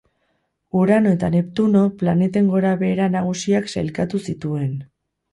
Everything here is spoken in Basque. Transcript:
Urano eta Neptuno planeten gorabehera nagusiak sailkatu zituen.